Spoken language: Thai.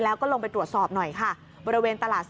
แล้วก็ลงตรวจสอบหน่อยค่ะ